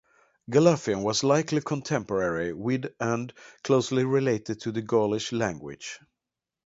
Galatian was likely contemporary with and closely related to the Gaulish language.